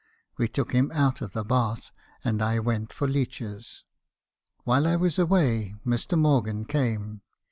We took him out of the bath , and I went for leeches. While I was away, Mr. Morgan came.